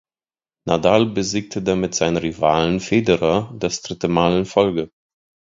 Nadal besiegte damit seinen Rivalen Federer das dritte Mal in Folge.